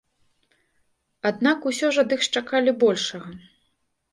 Аднак усё ж ад іх чакалі большага.